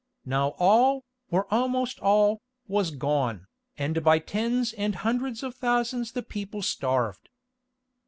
Now all, or almost all, was gone, and by tens and hundreds of thousands the people starved.